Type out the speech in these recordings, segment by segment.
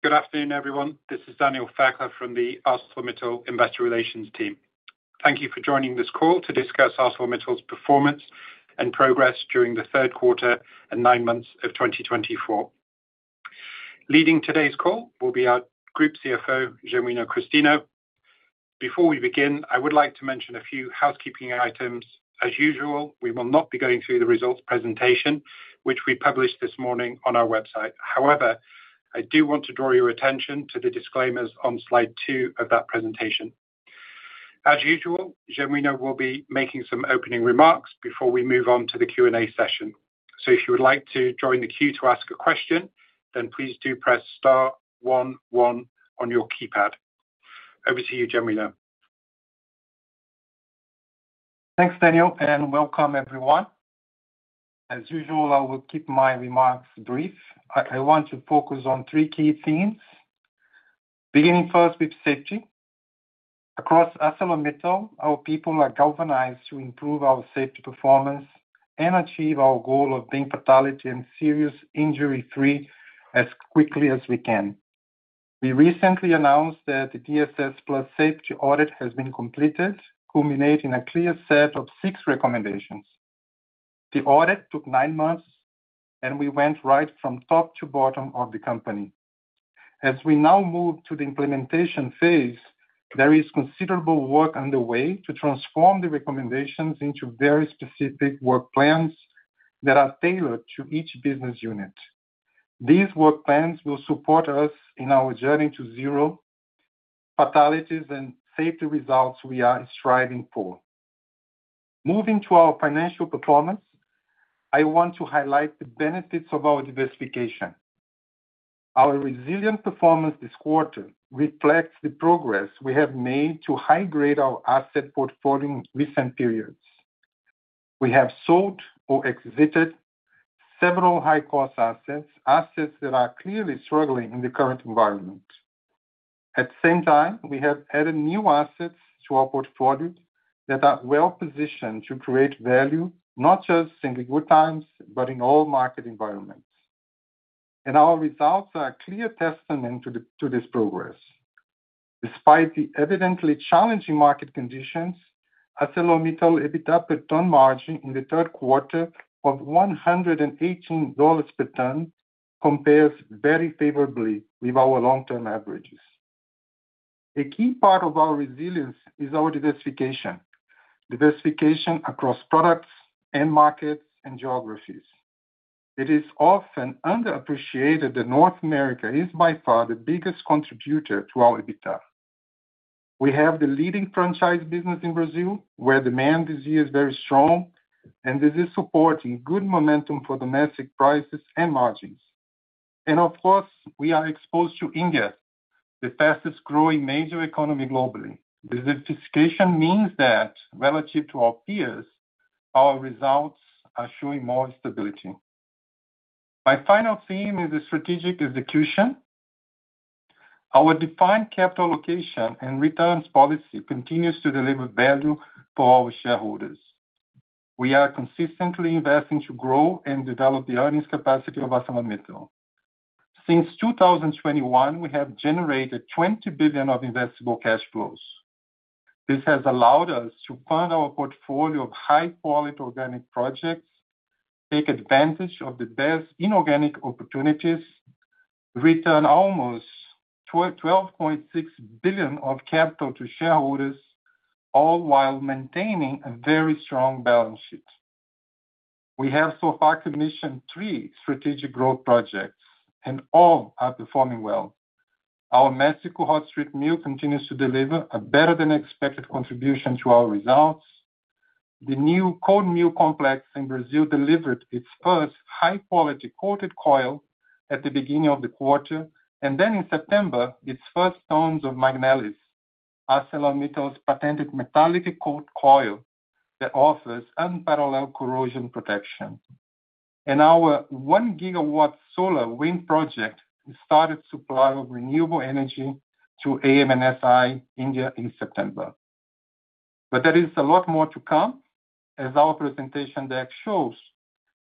Good afternoon, everyone. This is Daniel Fairclough from the ArcelorMittal Investor Relations team. Thank you for joining this call to discuss ArcelorMittal's performance and progress during the third quarter and nine months of 2024. Leading today's call will be our Group CFO, Genuino Christino. Before we begin, I would like to mention a few housekeeping items. As usual, we will not be going through the results presentation, which we published this morning on our website. However, I do want to draw your attention to the disclaimers on slide two of that presentation. As usual, Genuino will be making some opening remarks before we move on to the Q&A session. So if you would like to join the queue to ask a question, then please do press star 11 on your keypad. Over to you, Genuino. Thanks, Daniel, and welcome, everyone. As usual, I will keep my remarks brief. I want to focus on three key themes. Beginning first with safety. Across ArcelorMittal, our people are galvanized to improve our safety performance and achieve our goal of being fatality and serious injury-free as quickly as we can. We recently announced that the dss+ safety audit has been completed, culminating in a clear set of six recommendations. The audit took nine months, and we went right from top to bottom of the company. As we now move to the implementation phase, there is considerable work underway to transform the recommendations into very specific work plans that are tailored to each business unit. These work plans will support us in our journey to zero fatalities and safety results we are striving for. Moving to our financial performance, I want to highlight the benefits of our diversification. Our resilient performance this quarter reflects the progress we have made to high-grade our asset portfolio in recent periods. We have sold or exited several high-cost assets, assets that are clearly struggling in the current environment. At the same time, we have added new assets to our portfolio that are well-positioned to create value not just in good times, but in all market environments, and our results are a clear testament to this progress. Despite the evidently challenging market conditions, ArcelorMittal EBITDA per ton margin in the third quarter of $118 per ton compares very favorably with our long-term averages. A key part of our resilience is our diversification, diversification across products and markets and geographies. It is often underappreciated that North America is by far the biggest contributor to our EBITDA. We have the leading franchise business in Brazil, where demand is very strong, and this is supporting good momentum for domestic prices and margins, and of course, we are exposed to India, the fastest growing major economy globally. This sophistication means that relative to our peers, our results are showing more stability. My final theme is the strategic execution. Our defined capital allocation and returns policy continues to deliver value for our shareholders. We are consistently investing to grow and develop the earnings capacity of ArcelorMittal. Since 2021, we have generated $20 billion of investable cash flows. This has allowed us to fund our portfolio of high-quality organic projects, take advantage of the best inorganic opportunities, return almost $12.6 billion of capital to shareholders, all while maintaining a very strong balance sheet. We have so far commissioned three strategic growth projects, and all are performing well. Our Mexico Hot Strip Mill continues to deliver a better-than-expected contribution to our results. The new cold mill complex in Brazil delivered its first high-quality coated coil at the beginning of the quarter, and then in September, its first tons of Magnelis, ArcelorMittal's patented metallic coated coil that offers unparalleled corrosion protection, and our one-gigawatt solar wind project started supply of renewable energy to AM/NS India in September, but there is a lot more to come. As our presentation deck shows,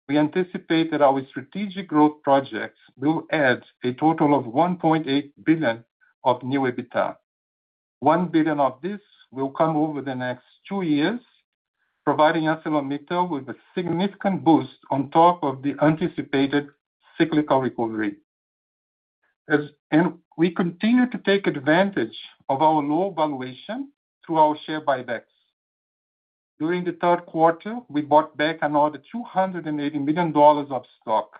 we anticipate that our strategic growth projects will add a total of $1.8 billion of new EBITDA. One billion of this will come over the next two years, providing ArcelorMittal with a significant boost on top of the anticipated cyclical recovery, and we continue to take advantage of our low valuation through our share buybacks. During the third quarter, we bought back another $280 million of stock.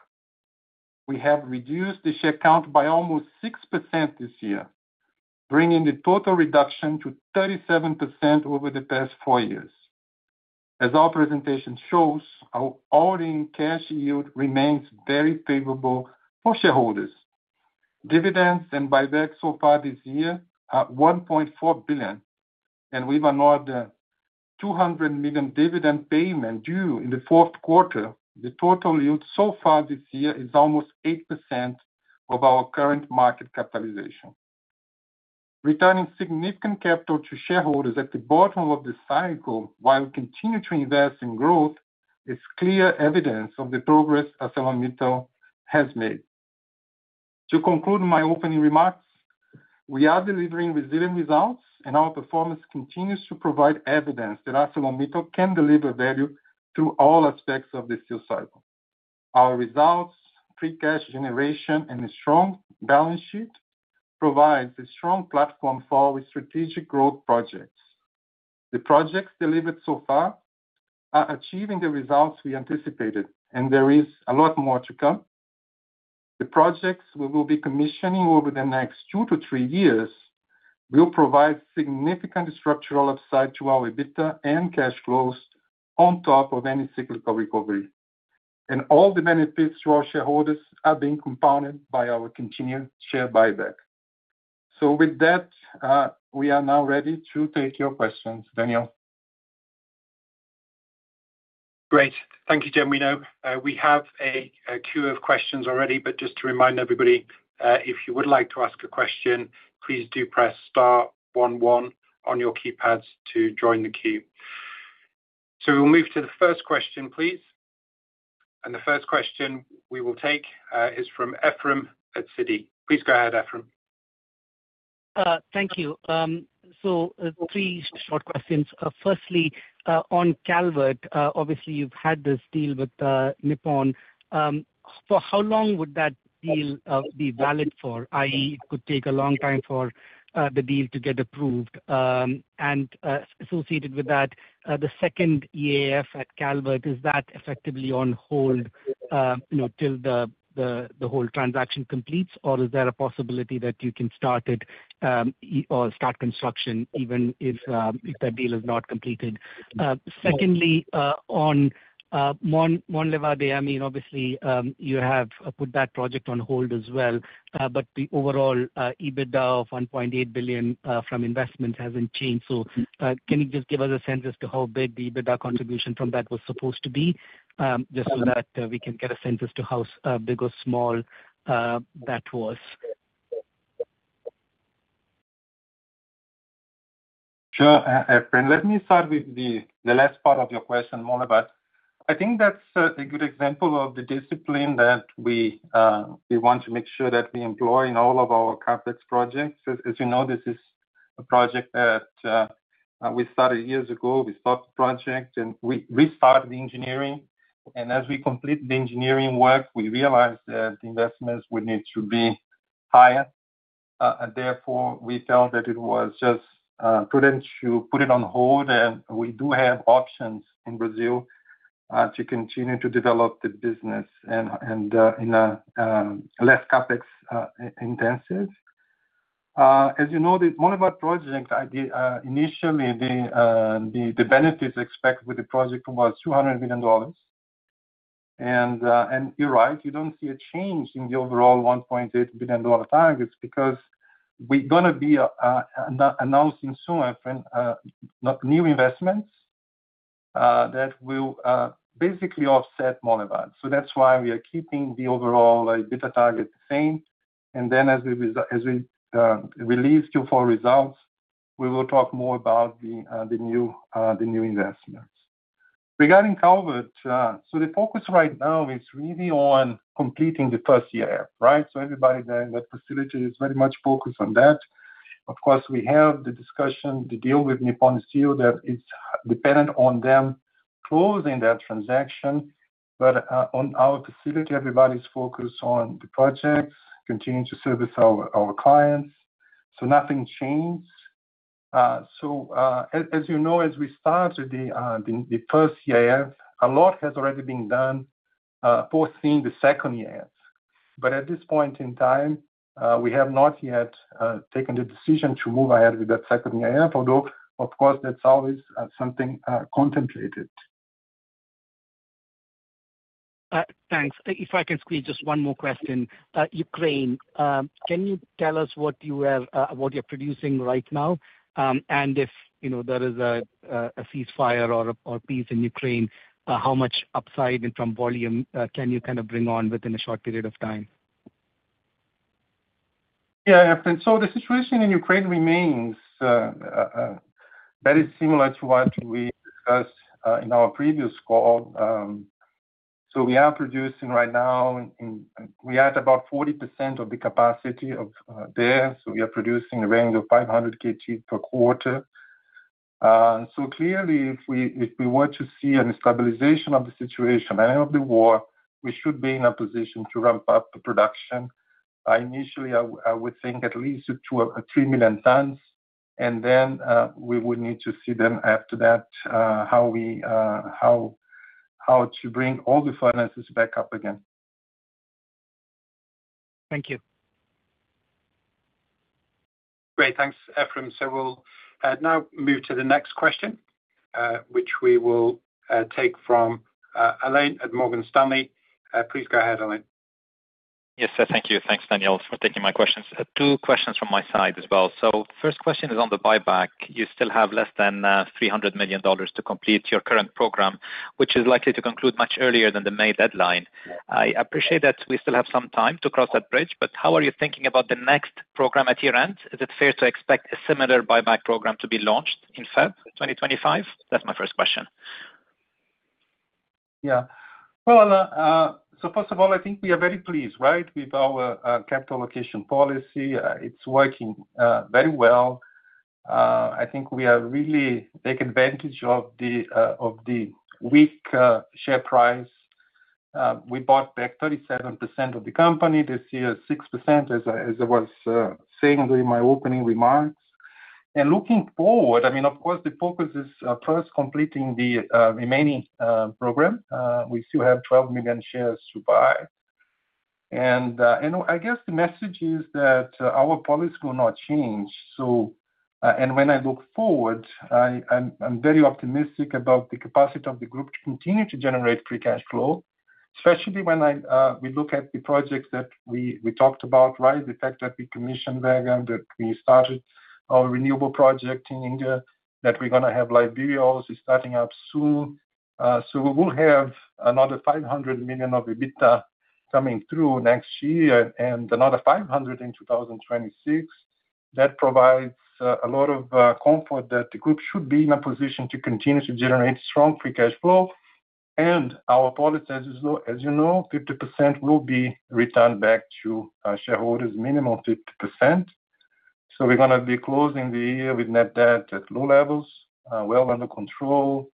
We have reduced the share count by almost 6% this year, bringing the total reduction to 37% over the past four years. As our presentation shows, our ordinary cash yield remains very favorable for shareholders. Dividends and buybacks so far this year are $1.4 billion, and we've another $200 million dividend payment due in the fourth quarter. The total yield so far this year is almost 8% of our current market capitalization. Returning significant capital to shareholders at the bottom of the cycle while we continue to invest in growth is clear evidence of the progress ArcelorMittal has made. To conclude my opening remarks, we are delivering resilient results, and our performance continues to provide evidence that ArcelorMittal can deliver value through all aspects of the steel cycle. Our results, free cash generation, and a strong balance sheet provide a strong platform for our strategic growth projects. The projects delivered so far are achieving the results we anticipated, and there is a lot more to come. The projects we will be commissioning over the next two to three years will provide significant structural upside to our EBITDA and cash flows on top of any cyclical recovery. And all the benefits to our shareholders are being compounded by our continued share buyback. So with that, we are now ready to take your questions, Daniel. Great. Thank you, Genuino. We have a queue of questions already, but just to remind everybody, if you would like to ask a question, please do press star 11 on your keypads to join the queue. So we'll move to the first question, please, and the first question we will take is from Ephrem at Citi. Please go ahead, Ephrem. Thank you. Three short questions. Firstly, on Calvert, obviously, you've had this deal with Nippon. For how long would that deal be valid for? i.e., it could take a long time for the deal to get approved. And associated with that, the second EAF at Calvert, is that effectively on hold till the whole transaction completes, or is there a possibility that you can start it or start construction even if that deal is not completed? Secondly, on Monlevade, I mean, obviously, you have put that project on hold as well, but the overall EBITDA of $1.8 billion from investments hasn't changed. Can you just give us a sense as to how big the EBITDA contribution from that was supposed to be just so that we can get a sense as to how big or small that was? Sure. Ephrem, let me start with the last part of your question, Monlevade. I think that's a good example of the discipline that we want to make sure that we employ in all of our CapEx projects. As you know, this is a project that we started years ago. We stopped the project and restarted the engineering. And as we completed the engineering work, we realized that the investments would need to be higher. Therefore, we felt that it was just prudent to put it on hold, and we do have options in Brazil to continue to develop the business and in a less CapEx intensive. As you know, the Monlevade project, initially, the benefits expected with the project was $200 million. You're right, you don't see a change in the overall $1.8 billion targets because we're going to be announcing soon, Ephrem, new investments that will basically offset Monlevade. That's why we are keeping the overall EBITDA target the same. As we release Q4 results, we will talk more about the new investments. Regarding Calvert, the focus right now is really on completing the first year, right? Everybody in that facility is very much focused on that. Of course, we have the discussion, the deal with Nippon Steel that is dependent on them closing that transaction. On our facility, everybody's focused on the projects, continuing to service our clients. Nothing changed. As you know, as we started the first year, a lot has already been done foreseeing the second year. But at this point in time, we have not yet taken the decision to move ahead with that second year, although, of course, that's always something contemplated. Thanks. If I can squeeze just one more question. Ukraine, can you tell us what you are producing right now? And if there is a ceasefire or peace in Ukraine, how much upside and from volume can you kind of bring on within a short period of time? Yeah, Ephrem. The situation in Ukraine remains very similar to what we discussed in our previous call. We are producing right now a range of 500 KT per quarter. We are at about 40% of the capacity there. Clearly, if we were to see a stabilization of the situation and of the war, we should be in a position to ramp up the production. Initially, I would think at least to 3 million tons. Then we would need to see after that how to bring all the furnaces back up again. Thank you. Great. Thanks, Ephrem. So we'll now move to the next question, which we will take from Alain at Morgan Stanley. Please go ahead, Alain. Yes, thank you. Thanks, Daniel, for taking my questions. Two questions from my side as well. So first question is on the buyback. You still have less than $300 million to complete your current program, which is likely to conclude much earlier than the May deadline. I appreciate that we still have some time to cross that bridge, but how are you thinking about the next program at year end? Is it fair to expect a similar buyback program to be launched in February 2025? That's my first question. Yeah. Well, so first of all, I think we are very pleased, right, with our capital allocation policy. It's working very well. I think we have really taken advantage of the weak share price. We bought back 37% of the company this year, 6%, as I was saying during my opening remarks. And looking forward, I mean, of course, the focus is first completing the remaining program. We still have 12 million shares to buy. And I guess the message is that our policy will not change. And when I look forward, I'm very optimistic about the capacity of the group to continue to generate free cash flow, especially when we look at the projects that we talked about, right, the fact that we commissioned Vega, that we started our renewable project in India, that we're going to have Liberia also starting up soon. We will have another $500 million of EBITDA coming through next year and another $500 million in 2026. That provides a lot of comfort that the group should be in a position to continue to generate strong free cash flow. And our policy, as you know, 50% will be returned back to shareholders, minimum 50%. So we're going to be closing the year with net debt at low levels, well under control.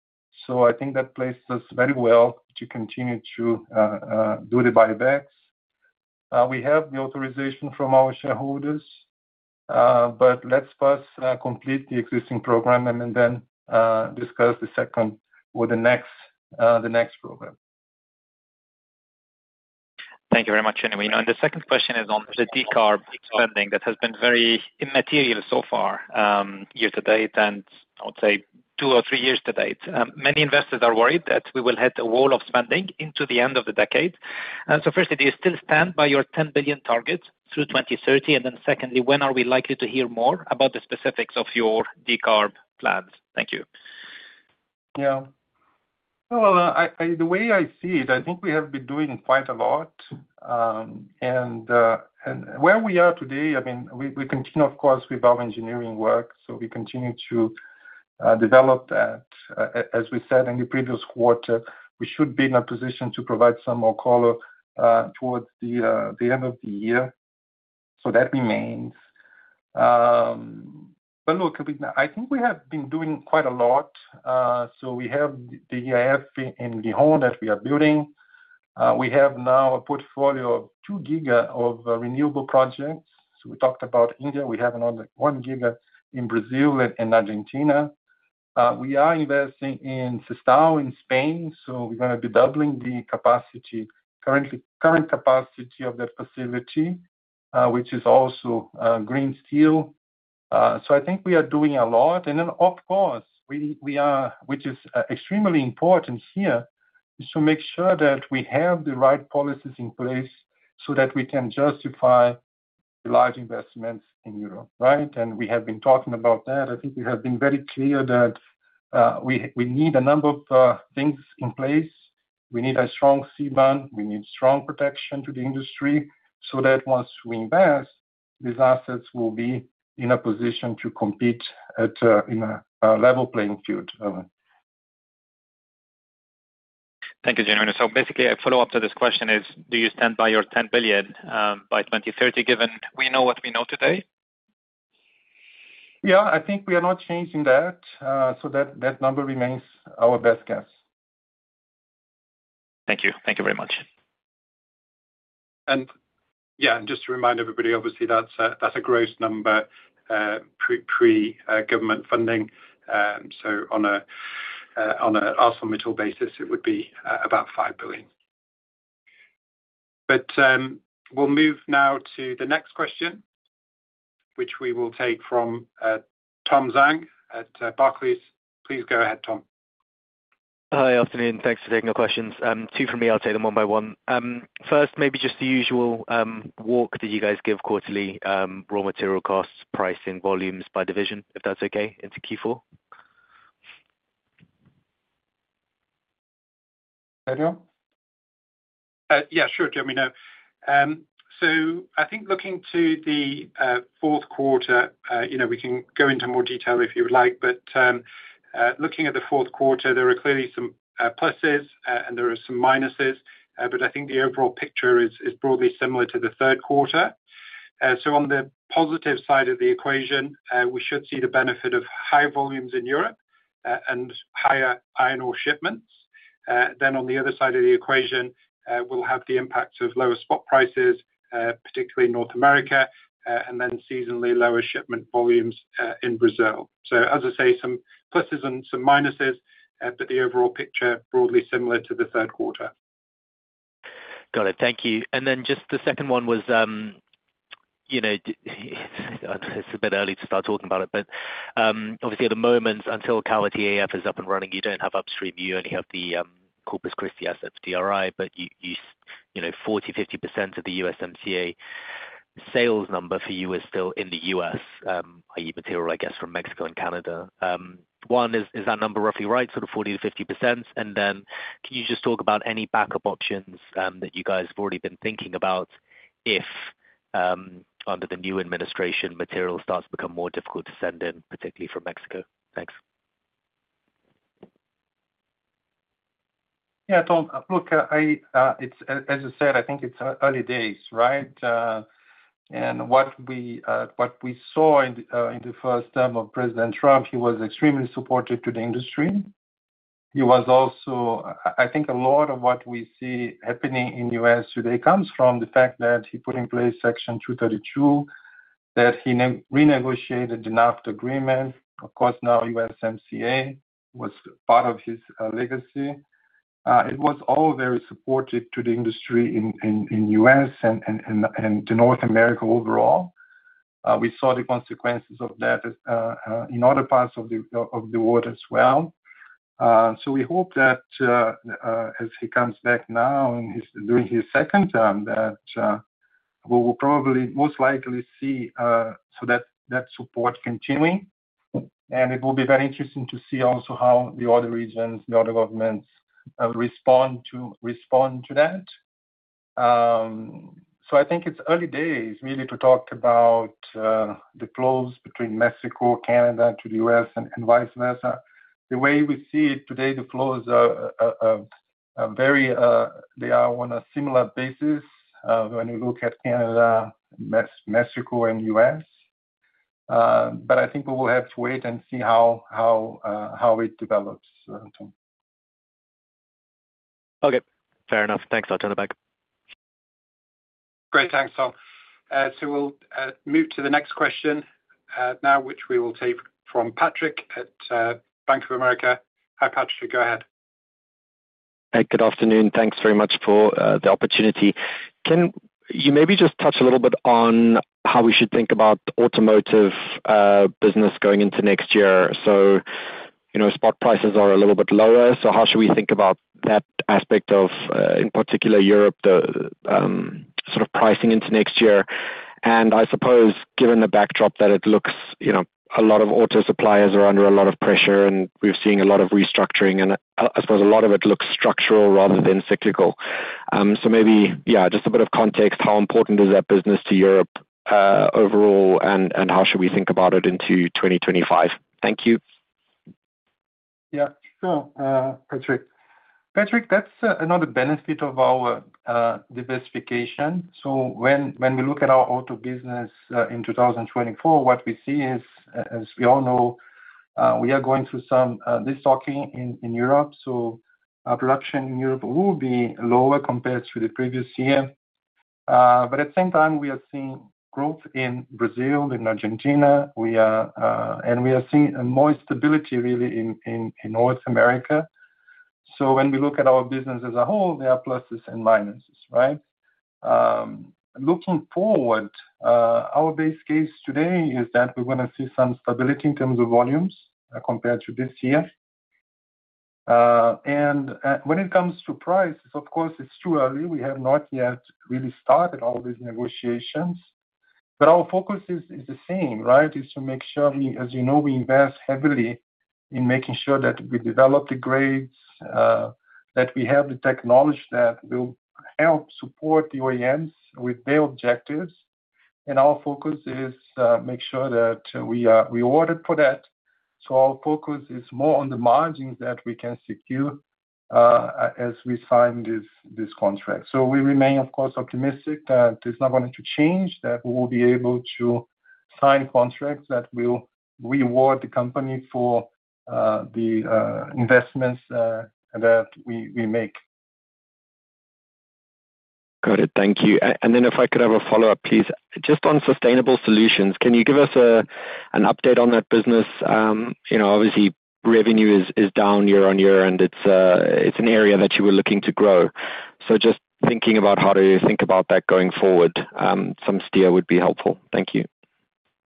So I think that places us very well to continue to do the buybacks. We have the authorization from our shareholders, but let's first complete the existing program and then discuss the second or the next program. Thank you very much, Genuino. The second question is on the decarb spending that has been very immaterial so far year to date and, I would say, two or three years to date. Many investors are worried that we will hit a wall of spending into the end of the decade. First, do you still stand by your $10 billion target through 2030? And then secondly, when are we likely to hear more about the specifics of your decarb plans? Thank you. Yeah. Well, the way I see it, I think we have been doing quite a lot. And where we are today, I mean, we continue, of course, with our engineering work. So we continue to develop that. As we said in the previous quarter, we should be in a position to provide some more color towards the end of the year. So that remains. But look, I think we have been doing quite a lot. So we have the EAF in Lyon that we are building. We have now a portfolio of 2 gigawatts of renewable projects. So we talked about India. We have another 1 gigawatt in Brazil and Argentina. We are investing in Sestao in Spain. So we're going to be doubling the current capacity of that facility, which is also green steel. So I think we are doing a lot. Then, of course, which is extremely important here, is to make sure that we have the right policies in place so that we can justify the large investments in Europe, right? We have been talking about that. I think we have been very clear that we need a number of things in place. We need a strong safeguard. We need strong protection to the industry so that once we invest, these assets will be in a position to compete at a level playing field. Thank you, Genuino. So basically, a follow-up to this question is, do you stand by your $10 billion by 2030 given we know what we know today? Yeah, I think we are not changing that. So that number remains our best guess. Thank you. Thank you very much. And yeah, just to remind everybody, obviously, that's a gross number pre-government funding. So on an ultimate basis, it would be about $5 billion. But we'll move now to the next question, which we will take from Tom Zhang at Barclays. Please go ahead, Tom. Hi, afternoon. Thanks for taking the questions. Two for me. I'll take them one by one. First, maybe just the usual walk that you guys give quarterly: raw material costs, pricing, volumes by division, if that's okay, into Q4. Daniel? Yeah, sure, Genuino. So I think looking to the fourth quarter, we can go into more detail if you would like. But looking at the fourth quarter, there are clearly some pluses and there are some minuses. But I think the overall picture is broadly similar to the third quarter. So on the positive side of the equation, we should see the benefit of high volumes in Europe and higher iron ore shipments. Then on the other side of the equation, we'll have the impact of lower spot prices, particularly in North America, and then seasonally lower shipment volumes in Brazil. So as I say, some pluses and some minuses, but the overall picture broadly similar to the third quarter. Got it. Thank you. And then just the second one was, it's a bit early to start talking about it, but obviously, at the moment, until Calvert EAF is up and running, you don't have upstream. You only have the Corpus Christi assets, DRI, but 40%-50% of the USMCA sales number for you is still in the US, i.e., material, I guess, from Mexico and Canada. One, is that number roughly right, sort of 40%-50%? And then can you just talk about any backup options that you guys have already been thinking about if, under the new administration, material starts to become more difficult to send in, particularly from Mexico? Thanks. Yeah, Tom, look, as I said, I think it's early days, right? And what we saw in the first term of President Trump, he was extremely supportive to the industry. He was also, I think a lot of what we see happening in the U.S. today comes from the fact that he put in place Section 232, that he renegotiated the NAFTA agreement. Of course, now USMCA was part of his legacy. It was all very supportive to the industry in the US and to North America overall. We saw the consequences of that in other parts of the world as well, so we hope that as he comes back now and he's doing his second term, that we will probably most likely see that support continuing, and it will be very interesting to see also how the other regions, the other governments respond to that. So I think it's early days really to talk about the flows between Mexico, Canada, to the U.S., and vice versa. The way we see it today, the flows are very, they are on a similar basis when you look at Canada, Mexico, and U.S. But I think we will have to wait and see how it develops. Okay. Fair enough. Thanks. I'll turn it back. Great. Thanks, Tom. So we'll move to the next question now, which we will take from Patrick at Bank of America. Hi, Patrick. Go ahead. Hey, good afternoon. Thanks very much for the opportunity. Can you maybe just touch a little bit on how we should think about automotive business going into next year, so spot prices are a little bit lower, so how should we think about that aspect of, in particular, Europe, the sort of pricing into next year, and I suppose, given the backdrop that it looks a lot of auto suppliers are under a lot of pressure and we're seeing a lot of restructuring, and I suppose a lot of it looks structural rather than cyclical, so maybe, yeah, just a bit of context. How important is that business to Europe overall, and how should we think about it into 2025? Thank you. Yeah. Sure, Patrick. Patrick, that's another benefit of our diversification. So when we look at our auto business in 2024, what we see is, as we all know, we are going through some discussion in Europe. So production in Europe will be lower compared to the previous year. But at the same time, we are seeing growth in Brazil, in Argentina, and we are seeing more stability really in North America. So when we look at our business as a whole, there are pluses and minuses, right? Looking forward, our base case today is that we're going to see some stability in terms of volumes compared to this year. And when it comes to prices, of course, it's too early. We have not yet really started all these negotiations. But our focus is the same, right? It's to make sure we, as you know, we invest heavily in making sure that we develop the grades, that we have the technology that will help support the OEMs with their objectives, and our focus is to make sure that we are rewarded for that, so our focus is more on the margins that we can secure as we sign this contract, so we remain, of course, optimistic that it's not going to change, that we will be able to sign contracts that will reward the company for the investments that we make. Got it. Thank you. And then if I could have a follow-up, please, just on sustainable solutions, can you give us an update on that business? Obviously, revenue is down year on year, and it's an area that you were looking to grow. So just thinking about how do you think about that going forward, some steer would be helpful. Thank you.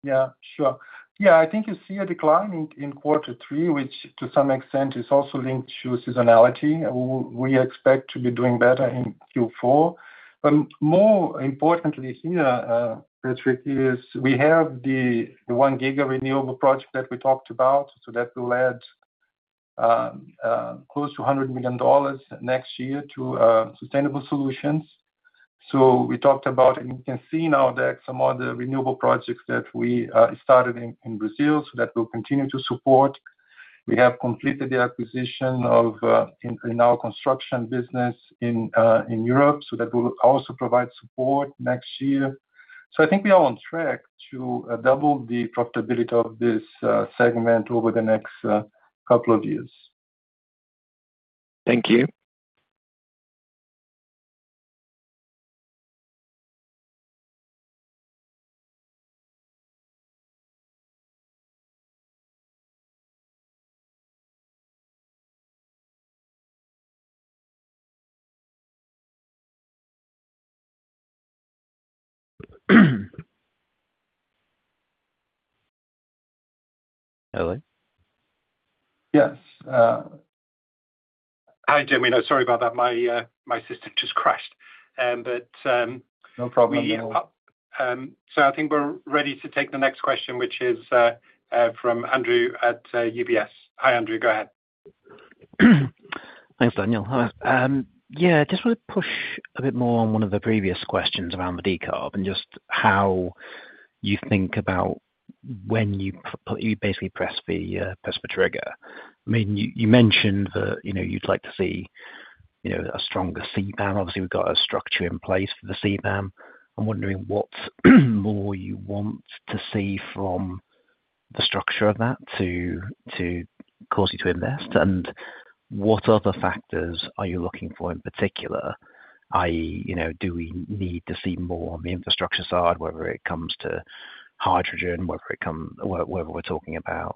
Yeah, sure. Yeah, I think you see a decline in quarter three, which to some extent is also linked to seasonality. We expect to be doing better in Q4. But more importantly here, Patrick, is we have the 1 gig renewable project that we talked about, so that will add close to $100 million next year to sustainable solutions. So we talked about, and you can see now that some of the renewable projects that we started in Brazil, so that we'll continue to support. We have completed the acquisition of our construction business in Europe, so that we'll also provide support next year. So I think we are on track to double the profitability of this segment over the next couple of years. Thank you. Hello? Yes. Hi, Genuino. Sorry about that. My system just crashed. But. No problem. So I think we're ready to take the next question, which is from Andrew at UBS. Hi, Andrew. Go ahead. Thanks, Daniel. Yeah, I just want to push a bit more on one of the previous questions around the decarb and just how you think about when you basically press the trigger. I mean, you mentioned that you'd like to see a stronger CBAM. Obviously, we've got a structure in place for the CBAM. I'm wondering what more you want to see from the structure of that to cause you to invest. And what other factors are you looking for in particular, i.e., do we need to see more on the infrastructure side, whether it comes to hydrogen, whether we're talking about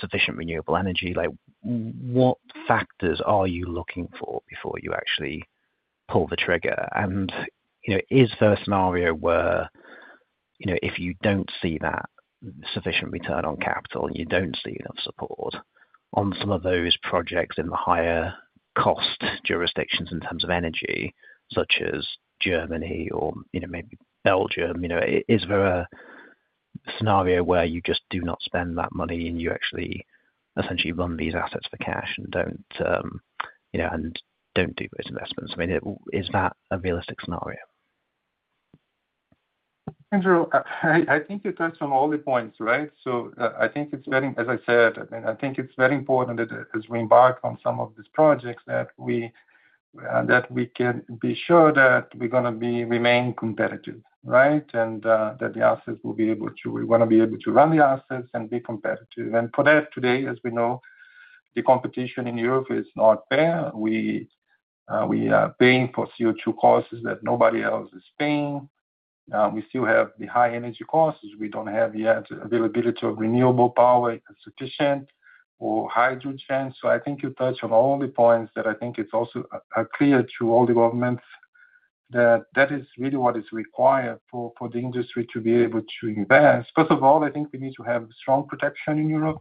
sufficient renewable energy? What factors are you looking for before you actually pull the trigger? Is there a scenario where if you don't see that sufficient return on capital and you don't see enough support on some of those projects in the higher cost jurisdictions in terms of energy, such as Germany or maybe Belgium, is there a scenario where you just do not spend that money and you actually essentially run these assets for cash and don't do those investments? I mean, is that a realistic scenario? Andrew, I think you touched on all the points, right? So I think it's very, as I said, and I think it's very important that as we embark on some of these projects that we can be sure that we're going to remain competitive, right? And that the assets will be able to, we're going to be able to run the assets and be competitive. And for that today, as we know, the competition in Europe is not fair. We are paying for CO2 costs that nobody else is paying. We still have the high energy costs. We don't have yet availability of renewable power sufficient or hydrogen. So I think you touched on all the points that I think it's also clear to all the governments that that is really what is required for the industry to be able to invest. First of all, I think we need to have strong protection in Europe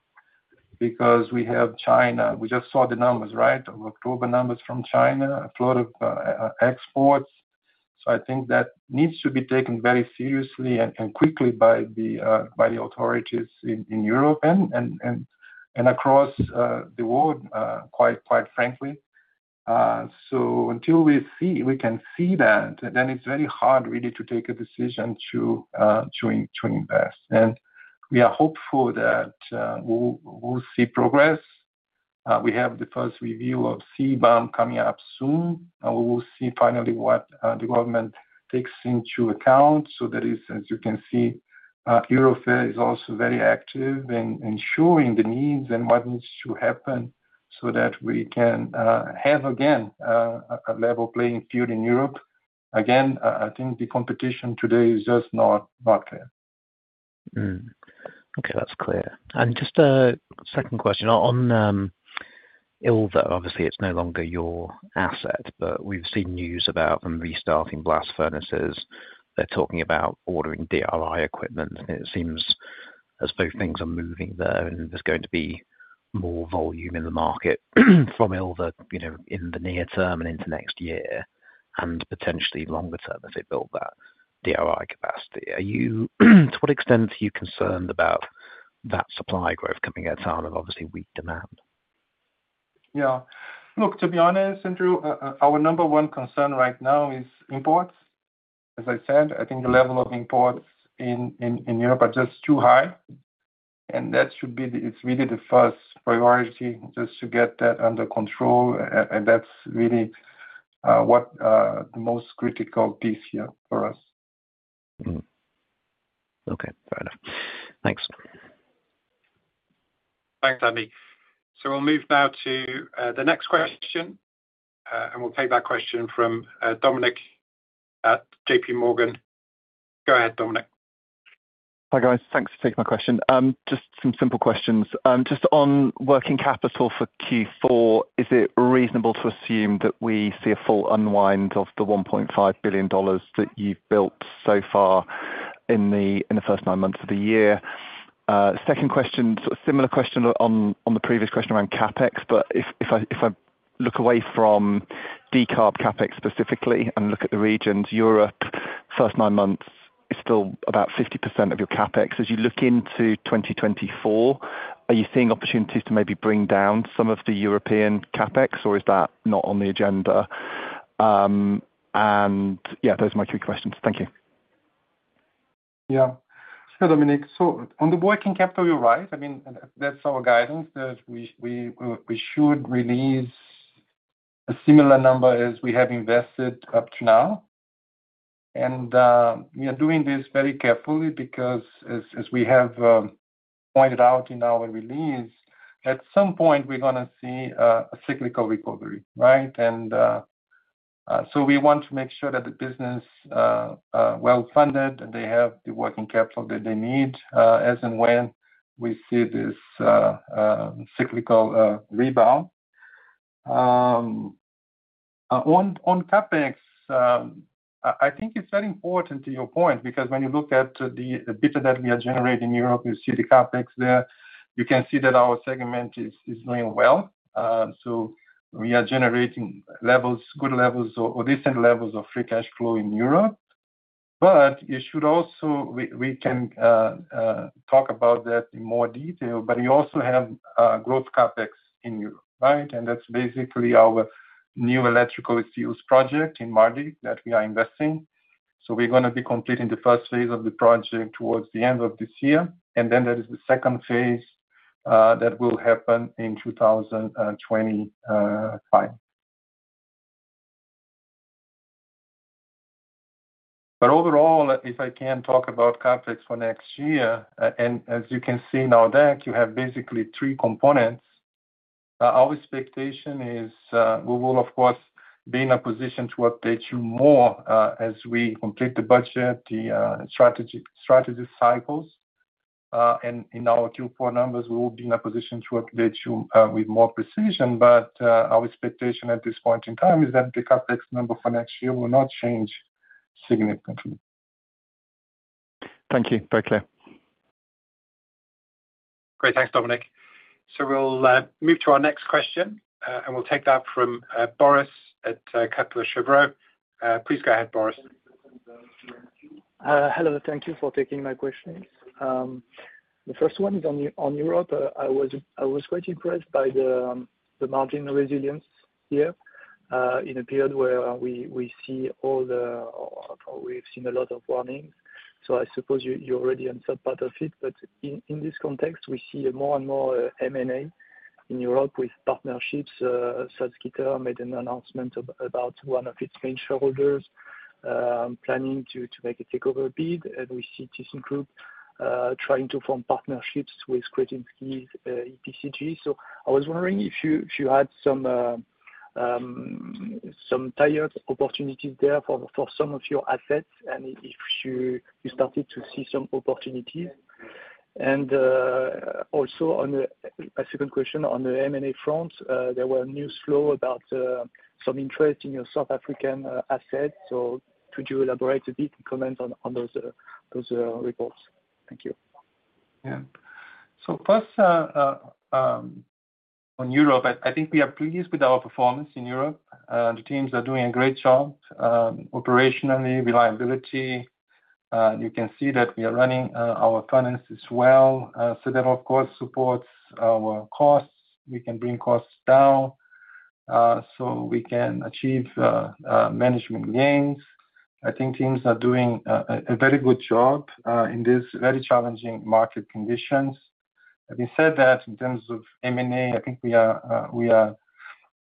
because we have China. We just saw the numbers, right? October numbers from China, a flood of exports. So I think that needs to be taken very seriously and quickly by the authorities in Europe and across the world, quite frankly. So until we can see that, then it's very hard really to take a decision to invest. And we are hopeful that we'll see progress. We have the first review of CBAM coming up soon. We will see finally what the government takes into account. So that is, as you can see, Eurofer is also very active in ensuring the needs and what needs to happen so that we can have again a level playing field in Europe. Again, I think the competition today is just not fair. Okay, that's clear. And just a second question. On Ilva, obviously, it's no longer your asset, but we've seen news about them restarting blast furnaces. They're talking about ordering DRI equipment. And it seems as though things are moving there and there's going to be more volume in the market from Ilva in the near term and into next year and potentially longer term if they build that DRI capacity. To what extent are you concerned about that supply growth coming at a time of obviously weak demand? Yeah. Look, to be honest, Andrew, our number one concern right now is imports. As I said, I think the level of imports in Europe are just too high. And that should be, it's really the first priority just to get that under control. And that's really what the most critical piece here for us. Okay. Fair enough. Thanks. Thanks, Andy. So we'll move now to the next question. And we'll take that question from Dominic at JPMorgan. Go ahead, Dominic. Hi guys. Thanks for taking my question. Just some simple questions. Just on working capital for Q4, is it reasonable to assume that we see a full unwind of the $1.5 billion that you've built so far in the first nine months of the year? Second question, similar question on the previous question around CapEx, but if I look away from decarb CapEx specifically and look at the regions, Europe, first nine months is still about 50% of your CapEx. As you look into 2024, are you seeing opportunities to maybe bring down some of the European CapEx, or is that not on the agenda, and yeah, those are my three questions. Thank you. Yeah. So Dominic, so on the working capital, you're right. I mean, that's our guidance that we should release a similar number as we have invested up to now. And we are doing this very carefully because as we have pointed out in our release, at some point, we're going to see a cyclical recovery, right? And so we want to make sure that the business is well funded and they have the working capital that they need as and when we see this cyclical rebound. On CapEx, I think it's very important to your point because when you look at the data that we are generating in Europe, you see the CapEx there. You can see that our segment is doing well. So we are generating levels, good levels or decent levels of free cash flow in Europe. But you should also, we can talk about that in more detail, but you also have growth CapEx in Europe, right? And that's basically our new electrical steels project in Mardyck that we are investing. So we're going to be completing the first phase of the project towards the end of this year. And then there is the second phase that will happen in 2025. But overall, if I can talk about CapEx for next year, and as you can see now that you have basically three components, our expectation is we will, of course, be in a position to update you more as we complete the budget, the strategy cycles. And in our Q4 numbers, we will be in a position to update you with more precision. But our expectation at this point in time is that the CapEx number for next year will not change significantly. Thank you. Very clear. Great. Thanks, Dominic. So we'll move to our next question, and we'll take that from Boris at Kepler Cheuvreux. Please go ahead, Boris. Hello. Thank you for taking my questions. The first one is on Europe. I was quite impressed by the margin resilience here in a period where we see all the, we've seen a lot of warnings. So I suppose you already answered part of it, but in this context, we see more and more M&A in Europe with partnerships. Salzgitter made an announcement about one of its main shareholders planning to make a takeover bid, and we see ThyssenKrupp trying to form partnerships with Křetínský EPCG, so I was wondering if you had some tied opportunities there for some of your assets and if you started to see some opportunities, and also on a second question, on the M&A front, there were news flow about some interest in your South African assets, so could you elaborate a bit and comment on those reports? Thank you. Yeah. So first on Europe, I think we are pleased with our performance in Europe. The teams are doing a great job operationally, reliability. You can see that we are running our furnaces as well. So that, of course, supports our costs. We can bring costs down so we can achieve margin gains. I think teams are doing a very good job in these very challenging market conditions. Having said that, in terms of M&A, I think we are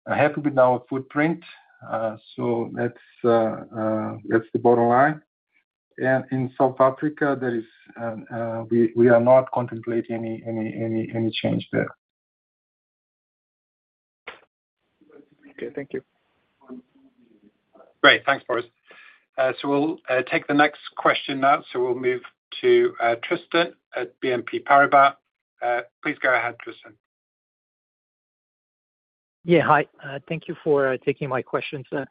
happy with our footprint. So that's the bottom line. And in South Africa, we are not contemplating any change there. Okay. Thank you. Great. Thanks, Boris. So we'll take the next question now. So we'll move to Tristan at BNP Paribas. Please go ahead, Tristan. Yeah. Hi. Thank you for taking my questions. The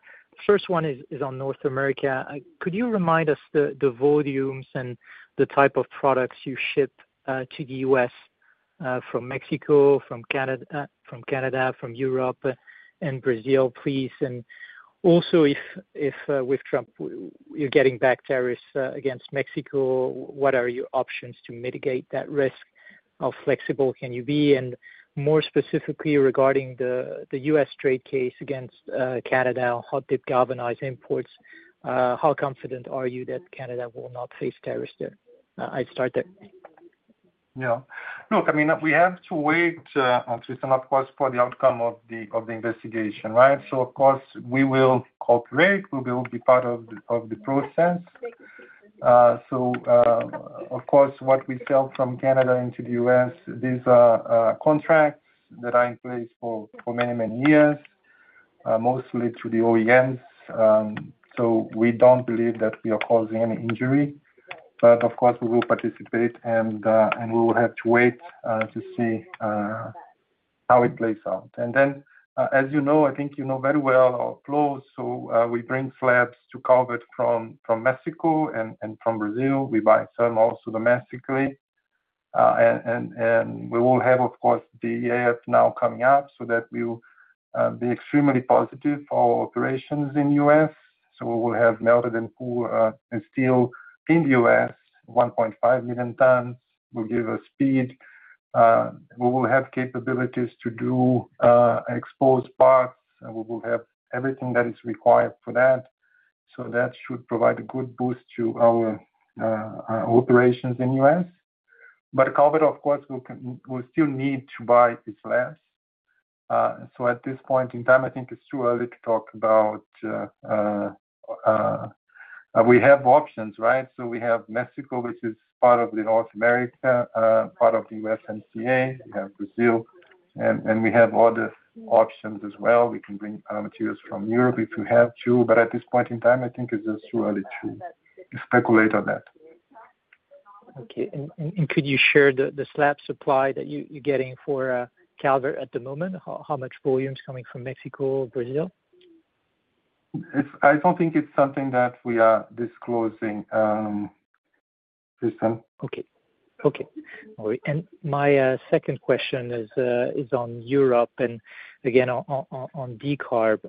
first one is on North America. Could you remind us the volumes and the type of products you ship to the U.S. from Mexico, from Canada, from Europe, and Brazil, please? And also, if with Trump, you're getting back tariffs against Mexico, what are your options to mitigate that risk? How flexible can you be? And more specifically regarding the U.S. trade case against Canada on hot-dip galvanized imports, how confident are you that Canada will not face tariffs there? I'd start there. Yeah. Look, I mean, we have to wait and see, of course, for the outcome of the investigation, right? So, of course, we will cooperate. We will be part of the process. So, of course, what we sell from Canada into the US, these are contracts that are in place for many, many years, mostly to the OEMs. So we don't believe that we are causing any injury. But, of course, we will participate and we will have to wait to see how it plays out. And then, as you know, I think you know very well our flows. So we bring slabs to Calvert from Mexico and from Brazil. We buy some also domestically. And we will have, of course, the EAF now coming up so that we'll be extremely positive for our operations in the US. So we will have melted and pooled steel in the U.S., 1.5 million tons. We'll give a speed. We will have capabilities to do exposed parts. We will have everything that is required for that. So that should provide a good boost to our operations in the U.S. But Calvert, of course, we'll still need to buy these slabs. So at this point in time, I think it's too early to talk about we have options, right? So we have Mexico, which is part of North America, part of the USMCA. We have Brazil. And we have other options as well. We can bring materials from Europe if we have to. But at this point in time, I think it's just too early to speculate on that. Okay. And could you share the slab supply that you're getting for Calvert at the moment? How much volume is coming from Mexico, Brazil? I don't think it's something that we are disclosing, Tristan. Okay. Okay. All right. And my second question is on Europe and again on decarb.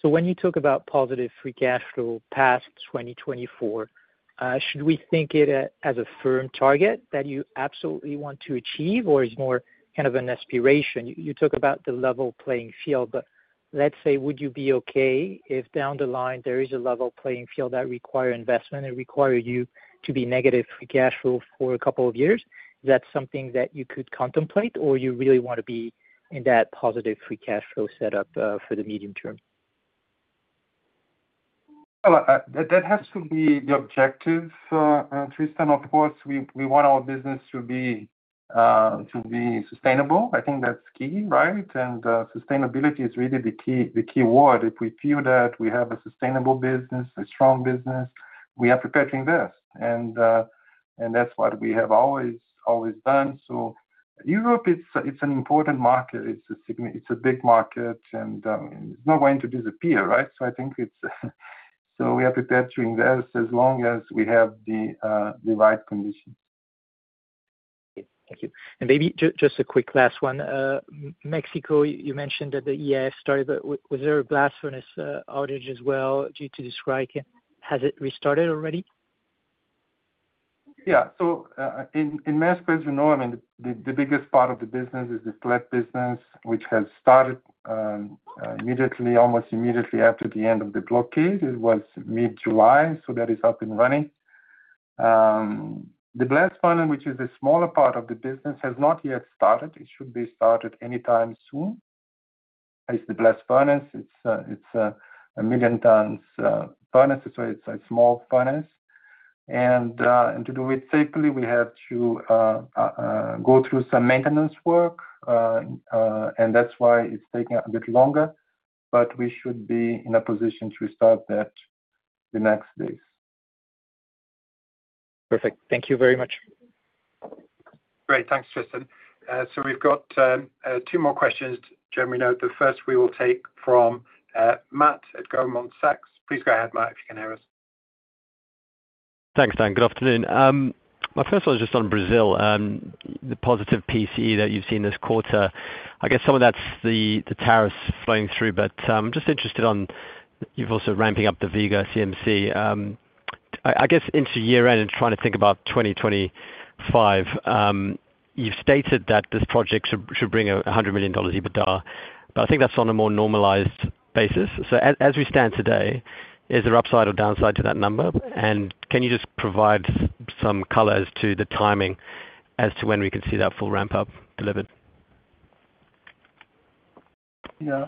So when you talk about positive free cash flow past 2024, should we think it as a firm target that you absolutely want to achieve, or is it more kind of an aspiration? You talk about the level playing field, but let's say, would you be okay if down the line there is a level playing field that requires investment and requires you to be negative free cash flow for a couple of years? Is that something that you could contemplate, or you really want to be in that positive free cash flow setup for the medium term? That has to be the objective, Tristan. Of course, we want our business to be sustainable. I think that's key, right? And sustainability is really the key word. If we feel that we have a sustainable business, a strong business, we are prepared to invest. And that's what we have always done. So Europe, it's an important market. It's a big market, and it's not going to disappear, right? So I think it's, so we are prepared to invest as long as we have the right conditions. Thank you. And maybe just a quick last one. Mexico, you mentioned that the EAF started. Was there a blast furnace outage as well due to the strike? Has it restarted already? Yeah. So in Mexico, as you know, I mean, the biggest part of the business is the slab business, which has started immediately, almost immediately after the end of the blockade. It was mid-July, so that is up and running. The blast furnace, which is a smaller part of the business, has not yet started. It should be started anytime soon. It's the blast furnace. It's a million tons furnace, so it's a small furnace, and to do it safely, we have to go through some maintenance work, and that's why it's taking a bit longer, but we should be in a position to start that the next days. Perfect. Thank you very much. Great. Thanks, Tristan. So we've got two more questions, Genuino. The first we will take from Matt at Goldman Sachs. Please go ahead, Matt, if you can hear us. Thanks, Dan. Good afternoon. My first one is just on Brazil. The positive PCE that you've seen this quarter, I guess some of that's the tariffs flowing through, but I'm just interested on you've also ramping up the Vega CMC. I guess into year-end and trying to think about 2025, you've stated that this project should bring $100 million EBITDA, but I think that's on a more normalized basis. So as we stand today, is there upside or downside to that number? And can you just provide some colors to the timing as to when we can see that full ramp-up delivered? Yeah.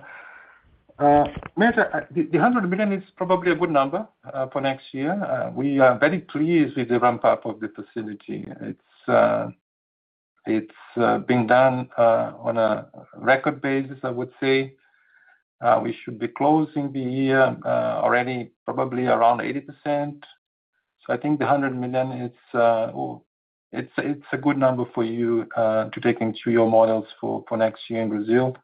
The $100 million is probably a good number for next year. We are very pleased with the ramp-up of the facility. It's been done on a record basis, I would say. We should be closing the year already probably around 80%. So I think the $100 million, it's a good number for you to take into your models for next year in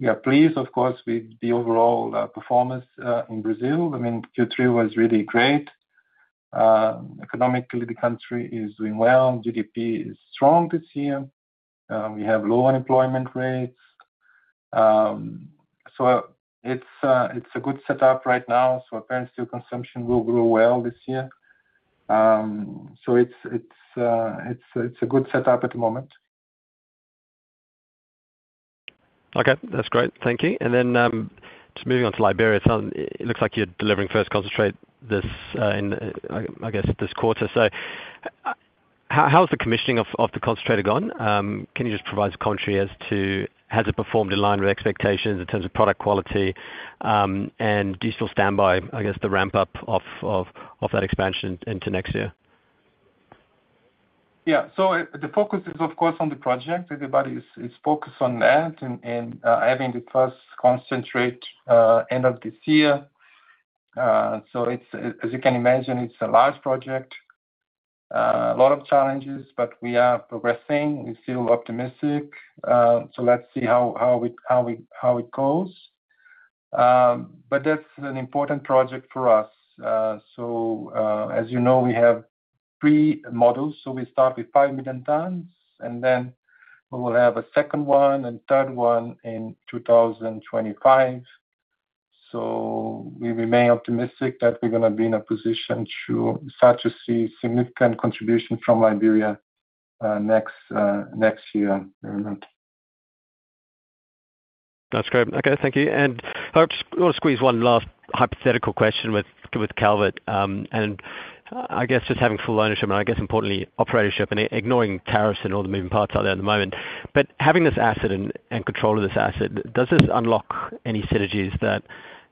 Brazil. We are pleased, of course, with the overall performance in Brazil. I mean, Q3 was really great. Economically, the country is doing well. GDP is strong this year. We have low unemployment rates. So it's a good setup right now. So apparently, consumption will grow well this year. So it's a good setup at the moment. Okay. That's great. Thank you. And then just moving on to Liberia, it looks like you're delivering first concentrate this, I guess, this quarter. So how's the commissioning of the concentrator gone? Can you just provide us a commentary as to has it performed in line with expectations in terms of product quality? And do you still stand by, I guess, the ramp-up of that expansion into next year? Yeah. So the focus is, of course, on the project. Everybody is focused on that and having the first concentrate end of this year. So as you can imagine, it's a large project, a lot of challenges, but we are progressing. We're still optimistic. So let's see how it goes. But that's an important project for us. So as you know, we have three modules. So we start with five million tons, and then we will have a second one and third one in 2025. So we remain optimistic that we're going to be in a position to start to see significant contribution from Liberia next year. That's great. Okay. Thank you. And I'll squeeze one last hypothetical question with Calvert. And I guess just having full ownership and, I guess, importantly, operatorship and ignoring tariffs and all the moving parts out there at the moment. But having this asset and control of this asset, does this unlock any synergies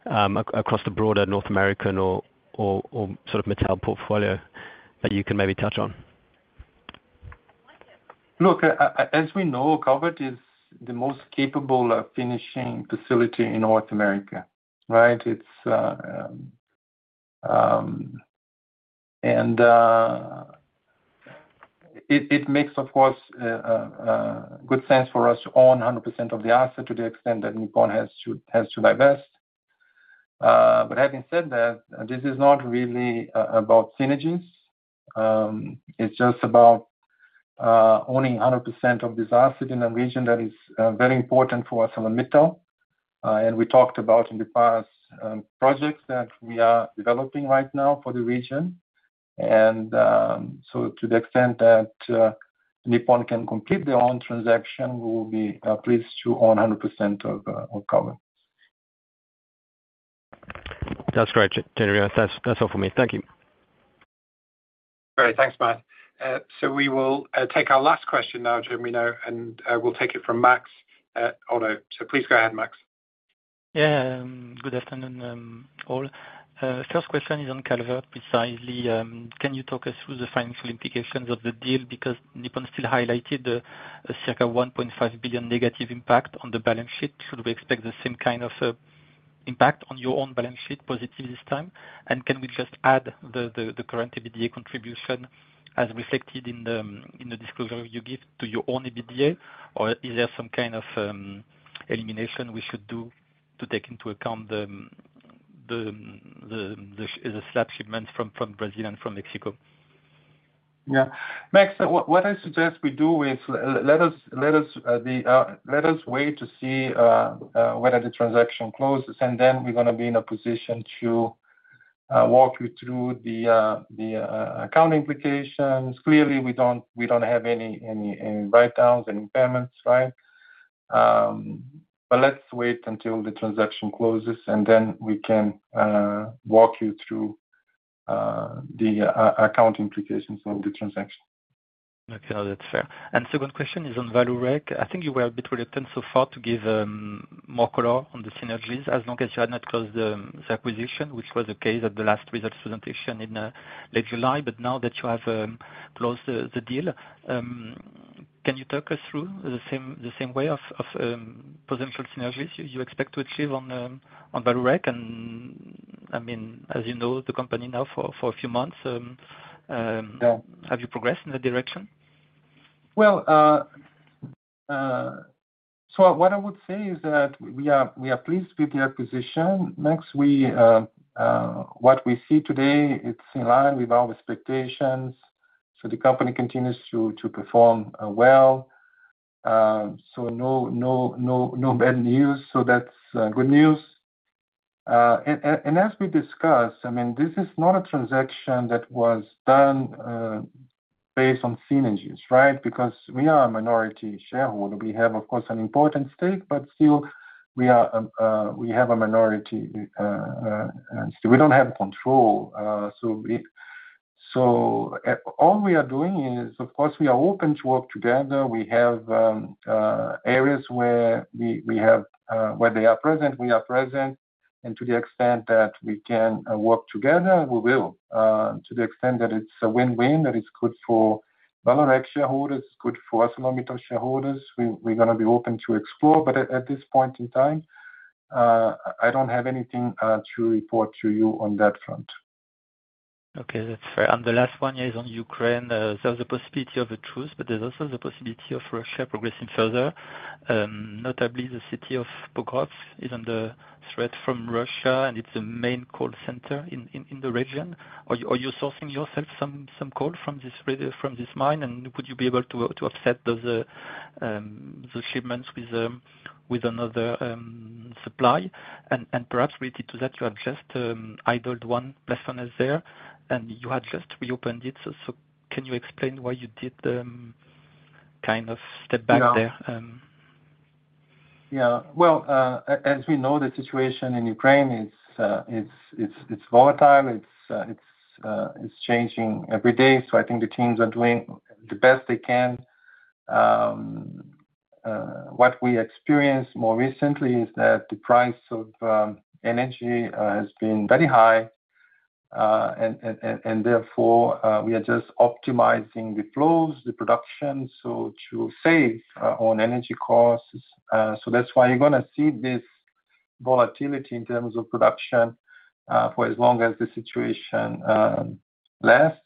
across the broader North American or sort of metals portfolio that you can maybe touch on? Look, as we know, Calvert is the most capable finishing facility in North America, right? And it makes, of course, good sense for us to own 100% of the asset to the extent that Nippon has to divest. But having said that, this is not really about synergies. It's just about owning 100% of this asset in a region that is very important for us on the metal. And we talked about in the past projects that we are developing right now for the region. And so to the extent that Nippon can complete their own transaction, we will be pleased to own 100% of Calvert. That's great, Jeremy Matt. That's all for me. Thank you. Great. Thanks, Matt. So we will take our last question now, Genuino, and we'll take it from Max at Oddo. So please go ahead, Max. Yeah. Good afternoon, all. First question is on Calvert precisely. Can you talk us through the financial implications of the deal? Because Nippon still highlighted a circa $1.5 billion negative impact on the balance sheet. Should we expect the same kind of impact on your own balance sheet positive this time? And can we just add the current EBITDA contribution as reflected in the disclosure you give to your own EBITDA, or is there some kind of elimination we should do to take into account the slab shipments from Brazil and from Mexico? Yeah. Max, what I suggest we do is let us wait to see whether the transaction closes, and then we're going to be in a position to walk you through the accounting implications. Clearly, we don't have any write-downs, any payments, right? But let's wait until the transaction closes, and then we can walk you through the accounting implications of the transaction. Okay. That's fair. And second question is on Vallourec. I think you were a bit reluctant so far to give more color on the synergies as long as you had not closed the acquisition, which was the case at the last results presentation in late July. But now that you have closed the deal, can you talk us through the same way of potential synergies you expect to achieve on Vallourec? And I mean, as you know, the company now for a few months. Have you progressed in that direction? What I would say is that we are pleased with the acquisition. As we see today, it's in line with our expectations. The company continues to perform well. No bad news. That's good news. As we discussed, I mean, this is not a transaction that was done based on synergies, right? Because we are a minority shareholder. We have, of course, an important stake, but still we have a minority. We don't have control. All we are doing is, of course, we are open to work together. We have areas where they are present, we are present. To the extent that we can work together, we will. To the extent that it's a win-win, that it's good for Vallourec shareholders, it's good for ArcelorMittal shareholders, we're going to be open to explore. But at this point in time, I don't have anything to report to you on that front. Okay. That's fair, and the last one is on Ukraine. There's a possibility of a truce, but there's also the possibility of Russia progressing further. Notably, the city of Pokrovsk is under threat from Russia, and it's the main coal center in the region. Are you sourcing yourself some coal from this mine, and would you be able to offset those shipments with another supply? And perhaps related to that, you have just idled one blast furnace there, and you had just reopened it. Can you explain why you did kind of step back there? Yeah. Well, as we know, the situation in Ukraine is volatile. It's changing every day. So I think the teams are doing the best they can. What we experienced more recently is that the price of energy has been very high, and therefore we are just optimizing the flows, the production, so to save on energy costs. So that's why you're going to see this volatility in terms of production for as long as the situation lasts.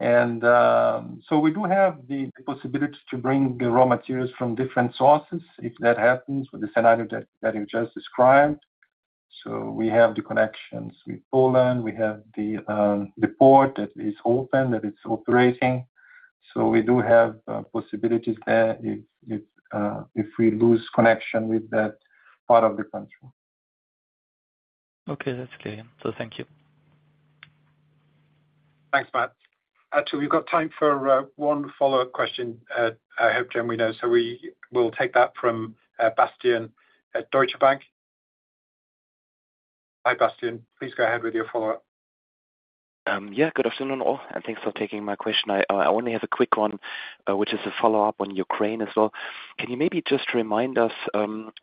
We do have the possibility to bring the raw materials from different sources if that happens with the scenario that you just described. So we have the connections with Poland. We have the port that is open, that it's operating. So we do have possibilities there if we lose connection with that part of the country. Okay. That's clear. So thank you. Thanks, Matt. Actually, we've got time for one follow-up question, I hope, Jeremy Note. So we will take that from Bastian at Deutsche Bank. Hi, Bastian. Please go ahead with your follow-up. Yeah. Good afternoon, all. And thanks for taking my question. I only have a quick one, which is a follow-up on Ukraine as well. Can you maybe just remind us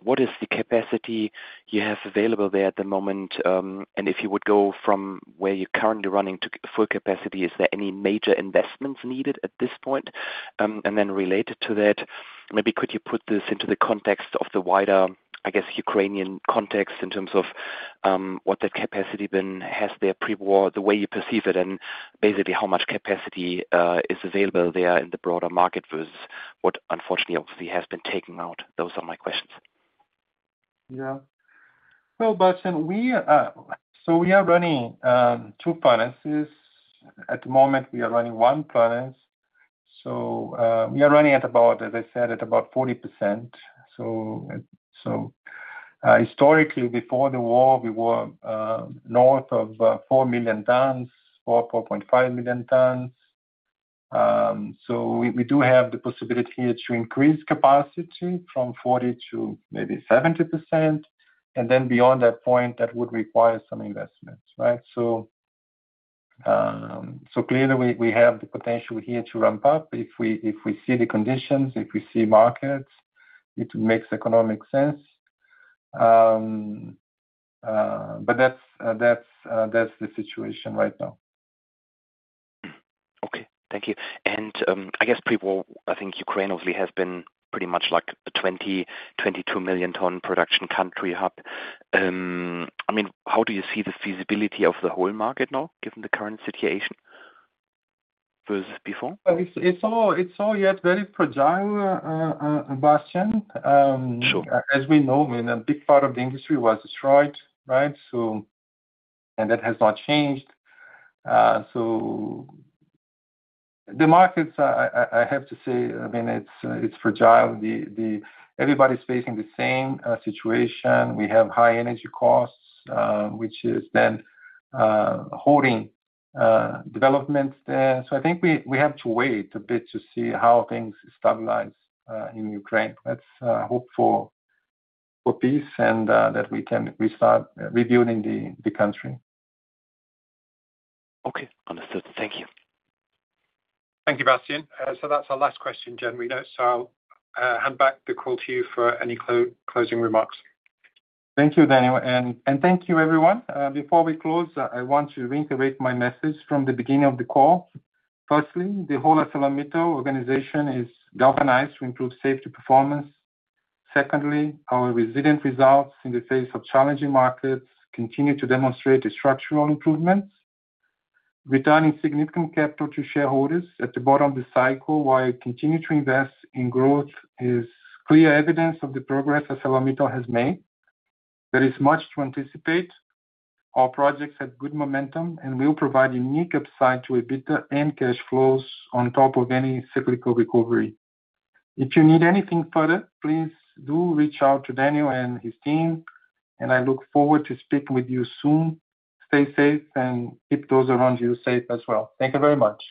what is the capacity you have available there at the moment? And if you would go from where you're currently running to full capacity, is there any major investments needed at this point? And then related to that, maybe could you put this into the context of the wider, I guess, Ukrainian context in terms of what that capacity then has there pre-war, the way you perceive it, and basically how much capacity is available there in the broader market versus what, unfortunately, obviously has been taken out? Those are my questions. Yeah. Well, Bastian, so we are running two furnaces at the moment. We are running one furnace. So we are running at about, as I said, at about 40%. So historically, before the war, we were north of 4 million tons, 4.5 million tons. So we do have the possibility to increase capacity from 40% to maybe 70%. And then beyond that point, that would require some investment, right? So clearly, we have the potential here to ramp up if we see the conditions, if we see markets. It makes economic sense. But that's the situation right now. Okay. Thank you, and I guess pre-war, I think Ukraine obviously has been pretty much like a 20-22 million ton production country hub. I mean, how do you see the feasibility of the whole market now given the current situation versus before? It's all yet very fragile, Bastian. As we know, I mean, a big part of the industry was destroyed, right? And that has not changed. So the markets, I have to say, I mean, it's fragile. Everybody's facing the same situation. We have high energy costs, which is then holding development there. So I think we have to wait a bit to see how things stabilize in Ukraine. Let's hope for peace and that we can restart rebuilding the country. Okay. Understood. Thank you. Thank you, Bastian. So that's our last question, Jeremy Note. So I'll hand back the call to you for any closing remarks. Thank you, Daniel. And thank you, everyone. Before we close, I want to reiterate my message from the beginning of the call. Firstly, the whole ArcelorMittal organization is galvanized to improve safety performance. Secondly, our resilient results in the face of challenging markets continue to demonstrate structural improvements. Returning significant capital to shareholders at the bottom of the cycle while continuing to invest in growth is clear evidence of the progress ArcelorMittal has made. There is much to anticipate. Our projects have good momentum and will provide unique upside to EBITDA and cash flows on top of any cyclical recovery. If you need anything further, please do reach out to Daniel and his team, and I look forward to speaking with you soon. Stay safe and keep those around you safe as well. Thank you very much.